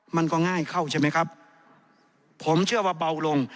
มันก็ง่ายเข้าใช่ไหมครับผมเชื่อว่าเบาลง